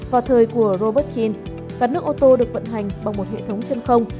vào thời của robert kean gạt nước ô tô được vận hành bằng một hệ thống chân không